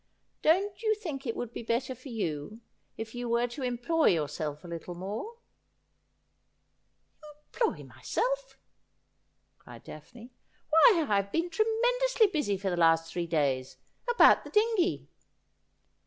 ' Don't you think it would be better for you if you were to employ yourself a little more ?'' Employ myself !' cried Daphne. ' Why, I have been tre mendously busy for the last three days — about the dingey.'